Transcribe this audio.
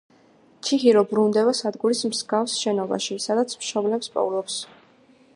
ჩიჰირო ბრუნდება სადგურის მსგავს შენობაში, სადაც მშობლებს პოულობს.